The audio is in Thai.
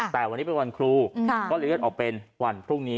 แต่วันนี้เป็นวันครูก็เลยเลื่อนออกเป็นวันพรุ่งนี้